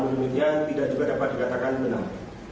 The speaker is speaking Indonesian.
namun demikian tidak juga dapat dikatakan menang